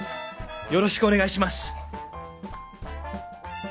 よろしくお願いします！